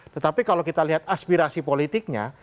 tetapi kalau kita lihat aspirasi politiknya